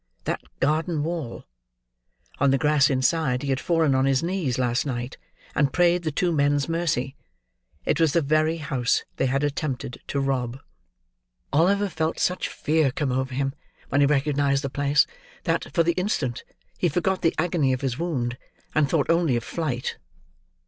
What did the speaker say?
That garden wall! On the grass inside, he had fallen on his knees last night, and prayed the two men's mercy. It was the very house they had attempted to rob. Oliver felt such fear come over him when he recognised the place, that, for the instant, he forgot the agony of his wound, and thought only of flight.